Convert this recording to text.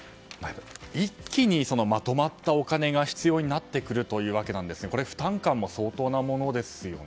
一気にまとまったお金が必要になってくるということですが負担感も相当なものですよね。